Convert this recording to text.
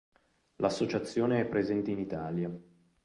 L'associazione è presente in Italia.